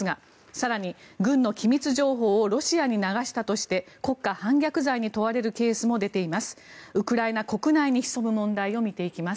更に軍の機密情報をロシアに流したとして国家反逆罪に問われるケースも出ています。